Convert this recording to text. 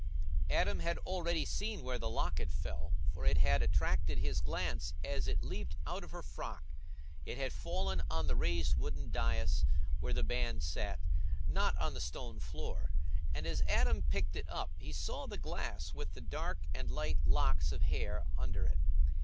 Adam had already seen where the locket fell, for it had attracted his glance as it leaped out of her frock. It had fallen on the raised wooden dais where the band sat, not on the stone floor; and as Adam picked it up, he saw the glass with the dark and light locks of hair under it.